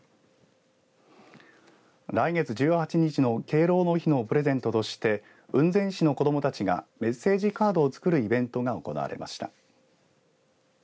来月１８日の敬老の日のプレゼントとして雲仙市の子どもたちがメッセージカードを作るイベントが行われました。